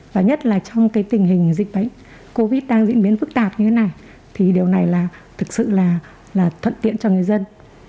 và nhất là trong cái tình hình dịch bệnh covid đang diễn biến phức tạp như thế này thì điều này là thực sự là thuận tiện cho người dân